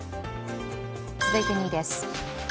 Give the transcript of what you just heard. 続いて２位です。